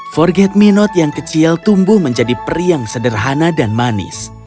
forget me not yang kecil tumbuh menjadi peri yang sederhana dan manis